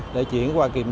để chuyển qua kỳ bắt giữ